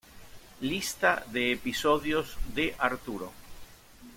Lista de episodios de Arturo